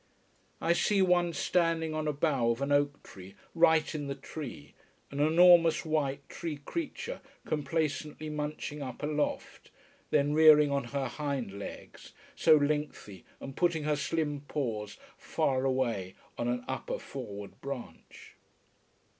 I see one standing on a bough of an oak tree, right in the tree, an enormous white tree creature complacently munching up aloft, then rearing on her hind legs, so lengthy, and putting her slim paws far away on an upper, forward branch.